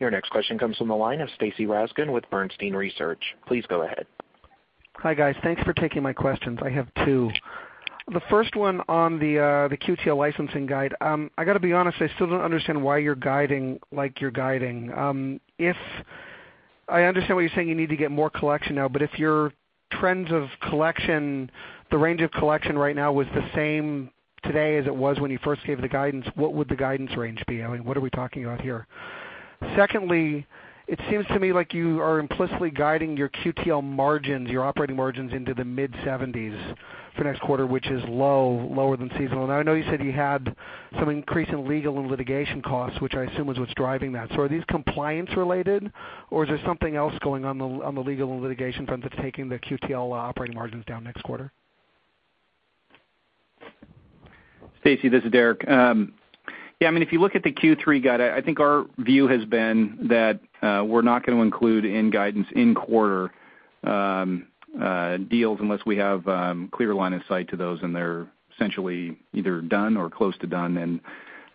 Your next question comes from the line of Stacy Rasgon with Bernstein Research. Please go ahead. Hi, guys. Thanks for taking my questions. I have two. The first one on the QTL licensing guide. I got to be honest, I still don't understand why you're guiding like you're guiding. I understand what you're saying, you need to get more collection now, but if your trends of collection, the range of collection right now was the same today as it was when you first gave the guidance, what would the guidance range be? I mean, what are we talking about here? Secondly, it seems to me like you are implicitly guiding your QTL margins, your operating margins into the mid-70s for next quarter, which is lower than seasonal. I know you said you had some increase in legal and litigation costs, which I assume is what's driving that. Are these compliance related, or is there something else going on the legal and litigation front that's taking the QTL operating margins down next quarter? Stacy, this is Derek. If you look at the Q3 guide, I think our view has been that we're not going to include in guidance in-quarter deals unless we have clear line of sight to those and they're essentially either done or close to done.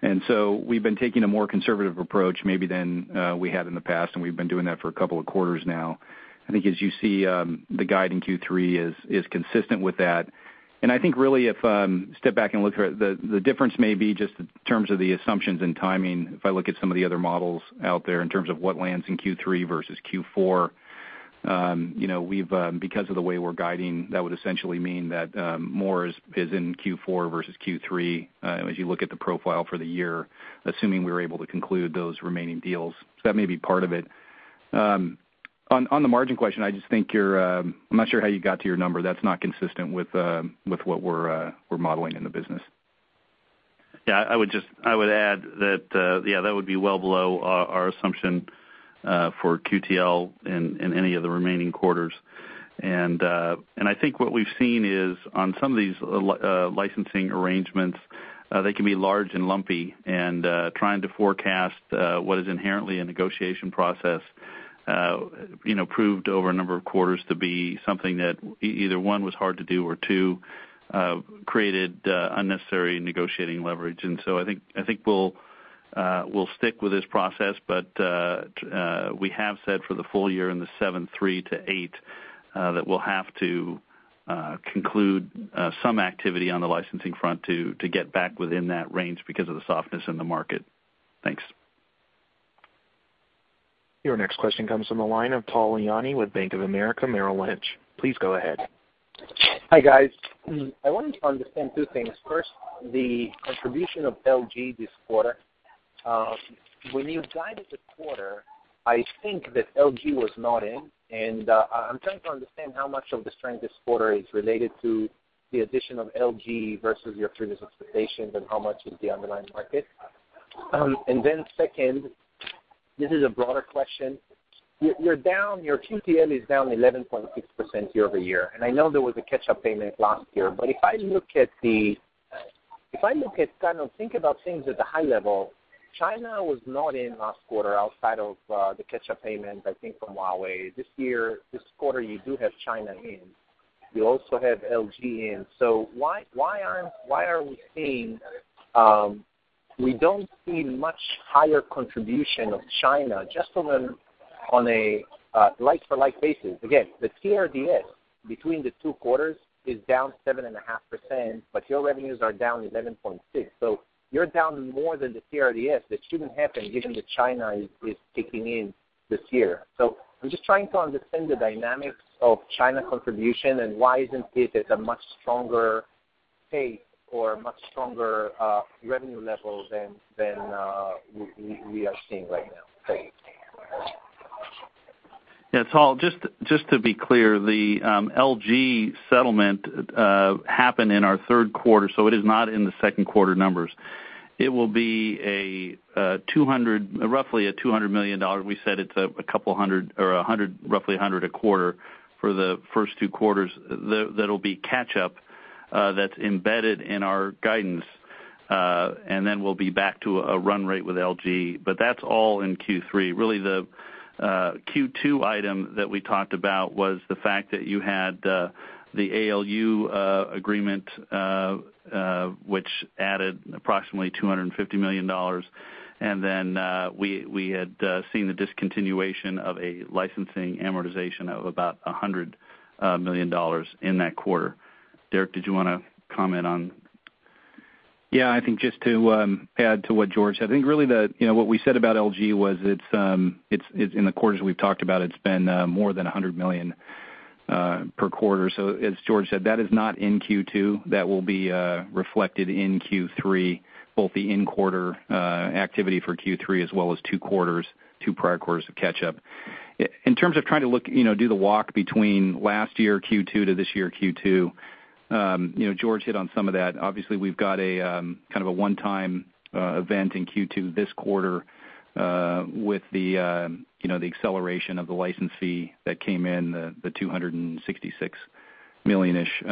We've been taking a more conservative approach maybe than we have in the past, and we've been doing that for a couple of quarters now. I think as you see, the guide in Q3 is consistent with that. I think really if step back and look at it, the difference may be just in terms of the assumptions and timing, if I look at some of the other models out there in terms of what lands in Q3 versus Q4. Because of the way we're guiding, that would essentially mean that more is in Q4 versus Q3, as you look at the profile for the year, assuming we were able to conclude those remaining deals. That may be part of it. On the margin question, I'm not sure how you got to your number. That's not consistent with what we're modeling in the business. I would add that would be well below our assumption for QTL in any of the remaining quarters. I think what we've seen is on some of these licensing arrangements, they can be large and lumpy and trying to forecast what is inherently a negotiation process proved over a number of quarters to be something that either, one, was hard to do, or two, created unnecessary negotiating leverage. I think we'll stick with this process, but we have said for the full year in the $7.3 billion-$8.0 billion that we'll have to conclude some activity on the licensing front to get back within that range because of the softness in the market. Thanks. Your next question comes from the line of Tal Liani with Bank of America Merrill Lynch. Please go ahead. Hi, guys. I wanted to understand two things. First, the contribution of LG this quarter. When you guided the quarter, I think that LG was not in, and I'm trying to understand how much of the strength this quarter is related to the addition of LG versus your previous expectations and how much is the underlying market. Second, this is a broader question. Your QTL is down 11.6% year-over-year, I know there was a catch-up payment last year. If I think about things at the high level, China was not in last quarter outside of the catch-up payment, I think from Huawei. This quarter, you do have China in. You also have LG in. Why are we not seeing much higher contribution of China just on a like-for-like basis. Again, the TRDS between the two quarters is down 7.5%, your revenues are down 11.6%. You're down more than the TRDS, that shouldn't happen given that China is kicking in this year. I'm just trying to understand the dynamics of China contribution and why isn't it at a much stronger pace or much stronger revenue level than we are seeing right now? Tal, just to be clear, the LG settlement happened in our third quarter, so it is not in the second quarter numbers. It will be roughly a $200 million. We said it's roughly $100 a quarter for the first two quarters that'll be catch-up that's embedded in our guidance, then we'll be back to a run rate with LG. That's all in Q3. Really, the Q2 item that we talked about was the fact that you had the Alcatel-Lucent agreement, which added approximately $250 million. We had seen the discontinuation of a licensing amortization of about $100 million in that quarter. Derek, did you want to comment on I think just to add to what George said, I think really what we said about LG was it's in the quarters we've talked about, it's been more than $100 million per quarter. As George said, that is not in Q2. That will be reflected in Q3, both the in-quarter activity for Q3 as well as two prior quarters of catch-up. In terms of trying to do the walk between last year Q2 to this year Q2, George hit on some of that. Obviously, we've got a kind of a one-time event in Q2 this quarter with the acceleration of the license fee that came in, the $266 million-ish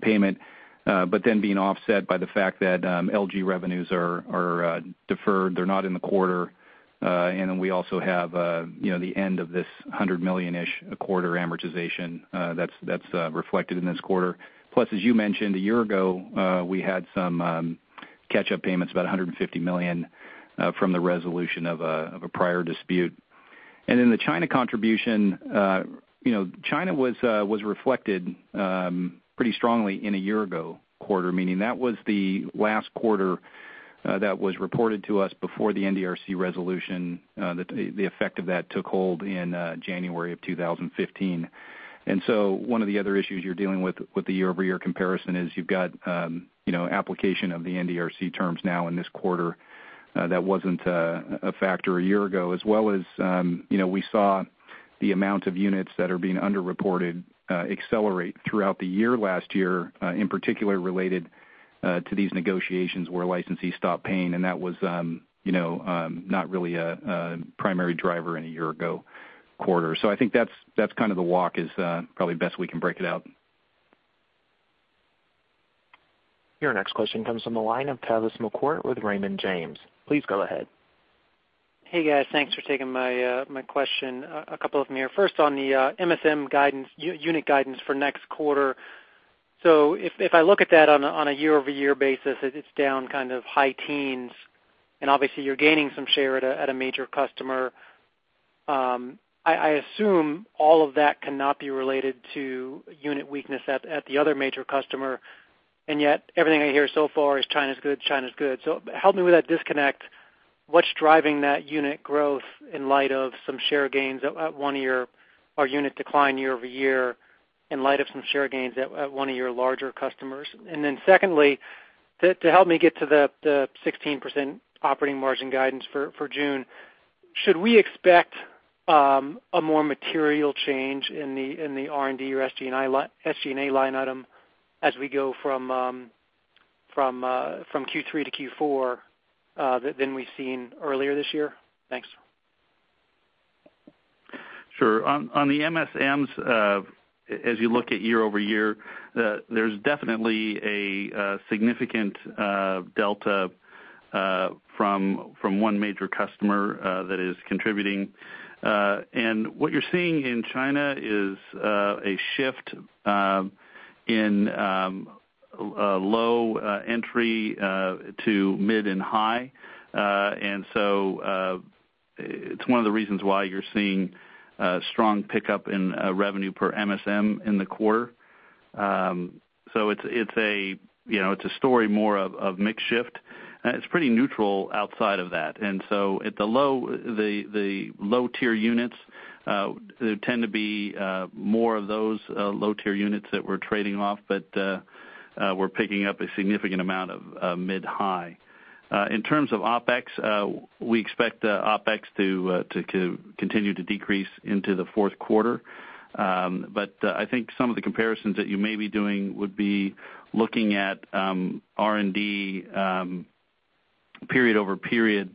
payment. Being offset by the fact that LG revenues are deferred. They're not in the quarter. We also have the end of this $100 million-ish a quarter amortization that's reflected in this quarter. Plus, as you mentioned, a year ago, we had some catch-up payments, about $150 million from the resolution of a prior dispute The China contribution, China was reflected pretty strongly in a year-ago quarter, meaning that was the last quarter that was reported to us before the NDRC resolution, the effect of that took hold in January of 2015. One of the other issues you're dealing with the year-over-year comparison is you've got application of the NDRC terms now in this quarter that wasn't a factor a year ago as well as we saw the amount of units that are being under-reported accelerate throughout the year last year, in particular related to these negotiations where licensees stopped paying, that was not really a primary driver in a year-ago quarter. I think that's kind of the walk is probably best we can break it out. Your next question comes from the line of Tavis McCourt with Raymond James. Please go ahead. Hey, guys. Thanks for taking my question, a couple of them here. First on the MSM unit guidance for next quarter. If I look at that on a year-over-year basis, it's down kind of high teens, and obviously you're gaining some share at a major customer. I assume all of that cannot be related to unit weakness at the other major customer, and yet everything I hear so far is China's good. Help me with that disconnect. What's driving that unit growth in light of some share gains at one year or unit decline year-over-year, in light of some share gains at one of your larger customers? Secondly, to help me get to the 16% operating margin guidance for June, should we expect a more material change in the R&D or SG&A line item as we go from Q3 to Q4 than we've seen earlier this year? Thanks. Sure. On the MSMs, as you look at year-over-year, there's definitely a significant delta from one major customer that is contributing. What you're seeing in China is a shift in low entry to mid and high. It's one of the reasons why you're seeing a strong pickup in revenue per MSM in the quarter. It's a story more of mix shift, and it's pretty neutral outside of that. At the low tier units, there tend to be more of those low tier units that we're trading off, but we're picking up a significant amount of mid-high. In terms of OpEx, we expect OpEx to continue to decrease into the fourth quarter. I think some of the comparisons that you may be doing would be looking at R&D period over period.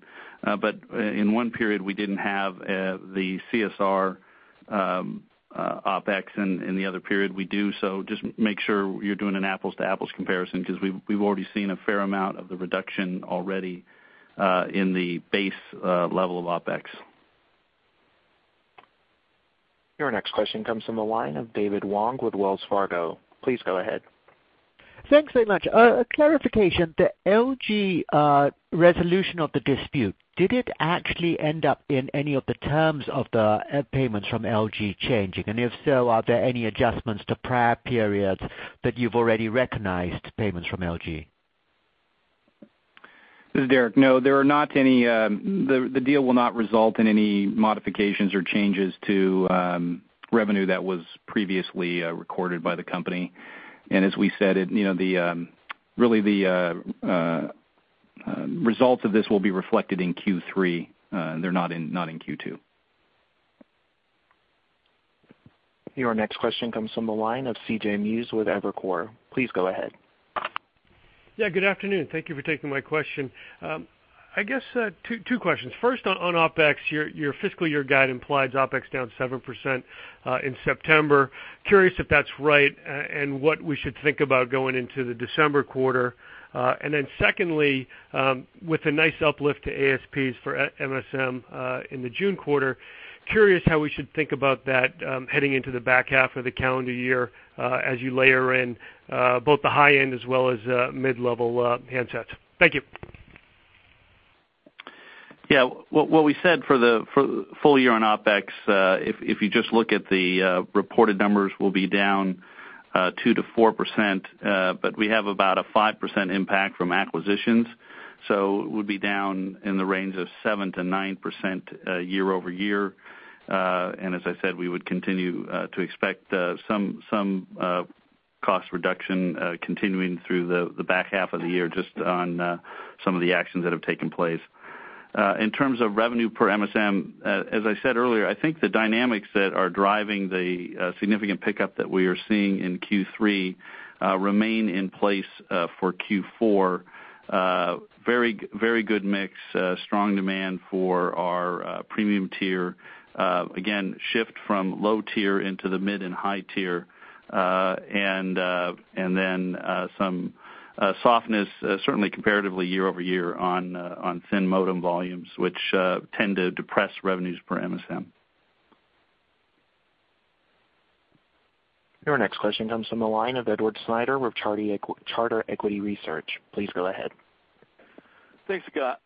In one period, we didn't have the CSR OpEx, and the other period we do. Just make sure you're doing an apples to apples comparison because we've already seen a fair amount of the reduction already in the base level of OpEx. Your next question comes from the line of David Wong with Wells Fargo. Please go ahead. Thanks very much. A clarification, the LG resolution of the dispute, did it actually end up in any of the terms of the payments from LG changing? If so, are there any adjustments to prior periods that you've already recognized payments from LG? This is Derek. No, there are not any. The deal will not result in any modifications or changes to revenue that was previously recorded by the company. As we said, really the results of this will be reflected in Q3. They're not in Q2. Your next question comes from the line of C.J. Muse with Evercore. Please go ahead. Yeah, good afternoon. Thank you for taking my question. I guess two questions. First, on OpEx, your fiscal year guide implies OpEx down 7% in September. Curious if that's right, and what we should think about going into the December quarter. Secondly, with a nice uplift to ASPs for MSM in the June quarter, curious how we should think about that heading into the back half of the calendar year as you layer in both the high end as well as mid-level handsets. Thank you. Yeah. What we said for the full year on OpEx, if you just look at the reported numbers, will be down 2%-4%, but we have about a 5% impact from acquisitions, so it would be down in the range of 7%-9% year-over-year. As I said, we would continue to expect some cost reduction continuing through the back half of the year just on some of the actions that have taken place. In terms of revenue per MSM, as I said earlier, I think the dynamics that are driving the significant pickup that we are seeing in Q3 remain in place for Q4. Very good mix, strong demand for our premium tier. Again, shift from low tier into the mid and high tier, and then some softness, certainly comparatively year-over-year on thin modem volumes, which tend to depress revenues per MSM. Your next question comes from the line of Edward Snyder with Charter Equity Research. Please go ahead. Thanks, Scott.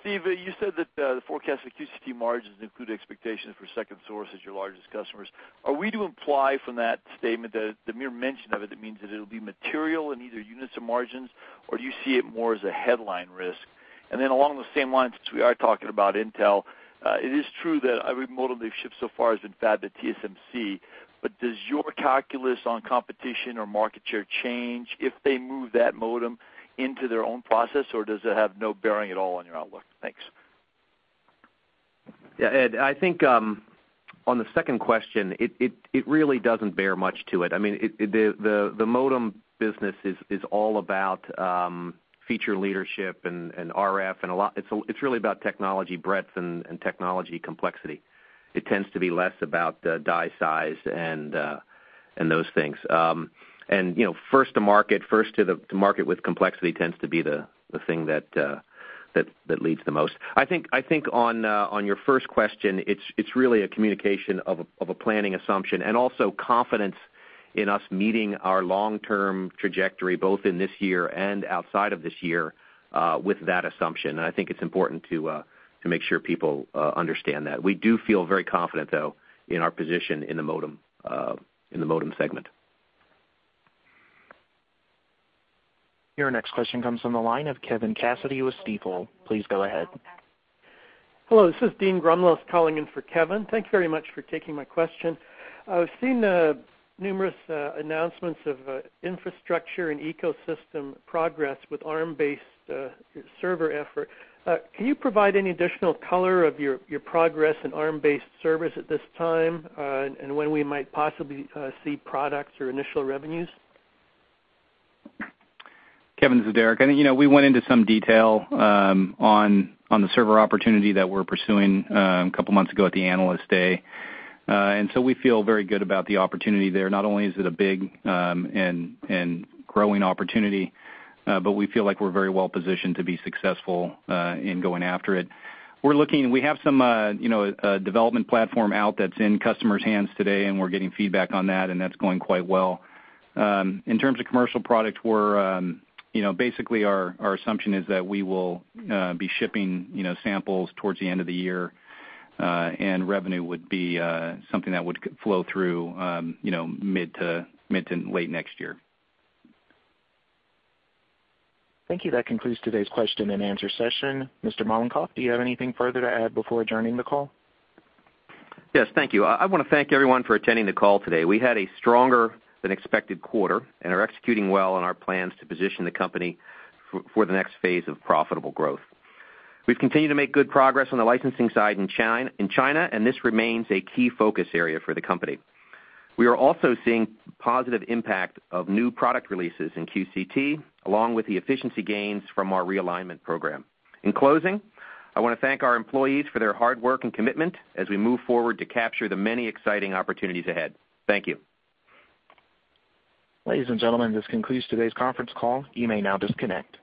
Steve, you said that the forecast for QCT margins include expectations for second source as your largest customers. Are we to imply from that statement that the mere mention of it means that it'll be material in either units or margins, or do you see it more as a headline risk? Along those same lines, since we are talking about Intel, it is true that every modem they've shipped so far has been fabbed at TSMC, does your calculus on competition or market share change if they move that modem into their own process, or does it have no bearing at all on your outlook? Thanks. Yeah, Ed, I think on the second question, it really doesn't bear much to it. The modem business is all about feature leadership and RF. It's really about technology breadth and technology complexity. It tends to be less about die size and those things. First to market with complexity tends to be the thing that leads the most. I think on your first question, it's really a communication of a planning assumption and also confidence in us meeting our long-term trajectory, both in this year and outside of this year with that assumption. I think it's important to make sure people understand that. We do feel very confident, though, in our position in the modem segment. Your next question comes from the line of Kevin Cassidy with Stifel. Please go ahead. Hello, this is Sean Dean calling in for Kevin. Thank you very much for taking my question. I've seen the numerous announcements of infrastructure and ecosystem progress with Arm-based server effort. Can you provide any additional color of your progress in Arm-based servers at this time, when we might possibly see products or initial revenues? Kevin, this is Derek. We went into some detail on the server opportunity that we're pursuing a couple of months ago at the Analyst Day. We feel very good about the opportunity there. Not only is it a big and growing opportunity, but we feel like we're very well-positioned to be successful in going after it. We have some development platform out that's in customers' hands today, and we're getting feedback on that, and that's going quite well. In terms of commercial product, basically our assumption is that we will be shipping samples towards the end of the year, and revenue would be something that would flow through mid to late next year. Thank you. That concludes today's question and answer session. Mr. Mollenkopf, do you have anything further to add before adjourning the call? Yes, thank you. I want to thank everyone for attending the call today. We had a stronger than expected quarter and are executing well on our plans to position the company for the next phase of profitable growth. We've continued to make good progress on the licensing side in China, and this remains a key focus area for the company. We are also seeing positive impact of new product releases in QCT, along with the efficiency gains from our realignment program. In closing, I want to thank our employees for their hard work and commitment as we move forward to capture the many exciting opportunities ahead. Thank you. Ladies and gentlemen, this concludes today's conference call. You may now disconnect.